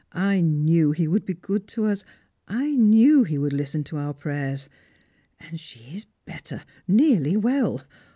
I knew He would be good to us I knew He would listen to our prayers ! And she is better, nearly well